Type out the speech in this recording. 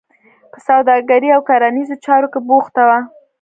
په سوداګرۍ او کرنیزو چارو کې بوخته وه.